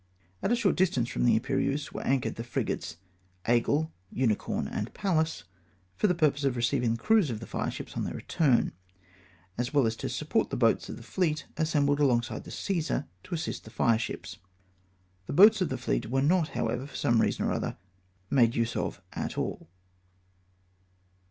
At a short distance from the Imjierieuse were anchored the frigates Aigle, Unicorn, and Pallas, for the purpose of receiving the crews of the fireships on their return, as well as to support the boats of the fleet assembled alongside the Cwsar, to assist the fireships. The boats of the fleet w^ere not, however, for some reason or other, made use of at all.